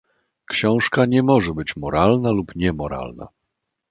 Książka nie może być moralna lub niemoralna.